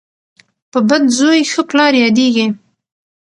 په بد زوی ښه پلار یادیږي.